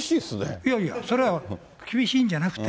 いやいや、それは厳しいんじゃなくて、